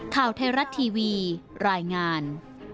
ข่าวไทยรัฐทีวีรายงาน